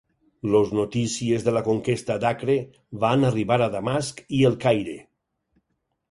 Los notícies de la conquesta d'Acre van arribar a Damasc i el Caire.